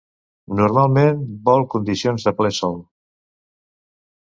Normalment vol condicions de ple sol.